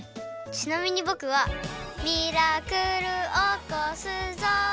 ちなみにぼくは「ミラクルおこすぞ」